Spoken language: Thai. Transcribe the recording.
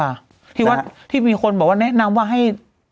คือว่าที่มีคนแนะนำว่าให้